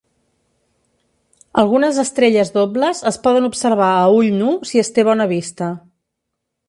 Algunes estrelles dobles es poden observar a ull nu si es té bona vista.